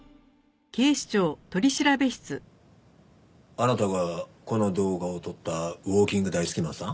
あなたがこの動画を撮ったウォーキング大好きマンさん？